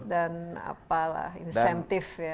dan insentif ya